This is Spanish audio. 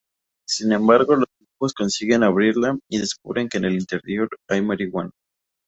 Sin embargo, los dibujos consiguen abrirla y descubren que en el interior hay marihuana.